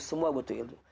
semua butuh ilmu